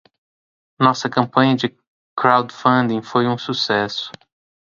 Nossa campanha de crowdfunding foi um sucesso.